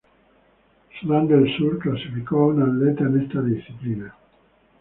Sudán del Sur clasificó a un atleta en esta disciplina.